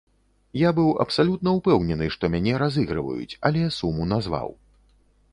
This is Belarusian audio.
Я быў абсалютна ўпэўнены, што мяне разыгрываюць, але суму назваў.